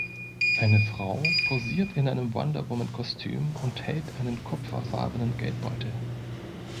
Eine Frau posiert in einem Wonder Woman Kostüm und hält einen kupferfarbenen Geldbeutel